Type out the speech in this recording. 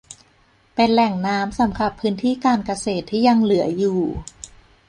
เป็นแหล่งน้ำสำหรับพื้นที่การเกษตรที่ยังเหลืออยู่